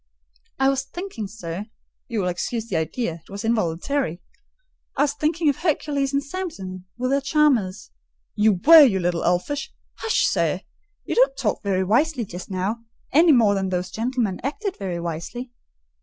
"I was thinking, sir (you will excuse the idea; it was involuntary), I was thinking of Hercules and Samson with their charmers—" "You were, you little elfish—" "Hush, sir! You don't talk very wisely just now; any more than those gentlemen acted very wisely.